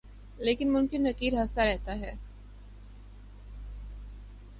لیکن منکر نکیر ہستہ رہتا ہے